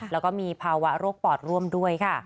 แล้วก็มีภาวะโรคปอดร่วมด้วยค่ะ